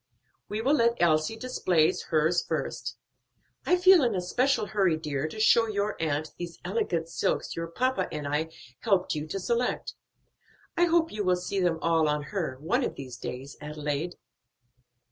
We will let Elsie display hers first. I feel in a special hurry, dear, to show your aunt those elegant silks your papa and I helped you to select. I hope you will see them all on her, one of these days, Adelaide.